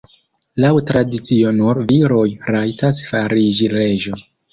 Laŭ tradicio nur viroj rajtas fariĝi reĝo.